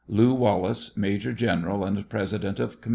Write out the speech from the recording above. LEW. WALLACE, Major General and President of Com.